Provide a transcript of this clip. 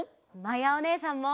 まやおねえさんも！